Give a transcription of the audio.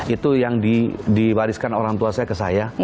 itu yang diwariskan orang tua saya ke saya